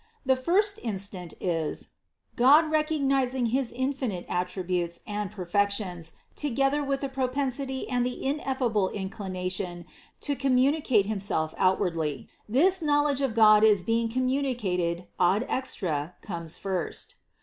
The first instant is : God recognizing his infinite attributes and perfections together with the pro pensity and the ineffable inclination to communicate Him self outwardly. This knowledge of God as being com municative ad extra comes first.